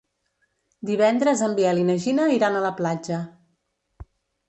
Divendres en Biel i na Gina iran a la platja.